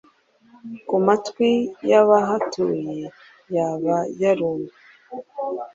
Ku matwi y'abahatuye Yaba yarumye,